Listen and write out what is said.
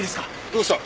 どうした？